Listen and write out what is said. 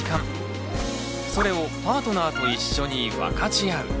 それをパートナーと一緒に分かち合う。